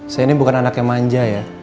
saya ini bukan anak yang manja ya